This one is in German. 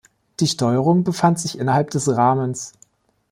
Die Steuerung befand sich innerhalb des Rahmens.